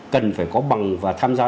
cần phải có bằng và tham gia